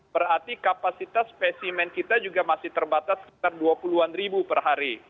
berarti kapasitas spesimen kita juga masih terbatas sekitar dua puluh an ribu per hari